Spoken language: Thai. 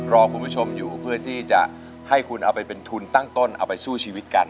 รอคุณผู้ชมอยู่เพื่อที่จะให้คุณเอาไปเป็นทุนตั้งต้นเอาไปสู้ชีวิตกัน